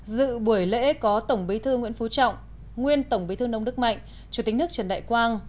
dự buổi lễ có tổng bí thư nguyễn phú trọng nguyên tổng bí thư nông đức mạnh chủ tịch nước trần đại quang